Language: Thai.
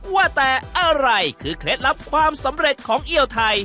ว่าแต่อะไรคือเคล็ดลับความสำเร็จของเอียวไทย